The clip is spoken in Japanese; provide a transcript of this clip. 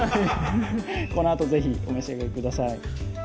このあと是非お召し上がりください